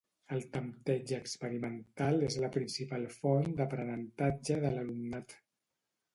El tempteig experimental és la principal font d'aprenentatge de l'alumnat.